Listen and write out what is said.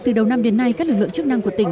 từ đầu năm đến nay các lực lượng chức năng của tỉnh